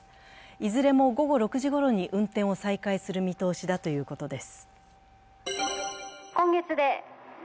いずれも午後６時ごろに運転を再開する見通しだということです。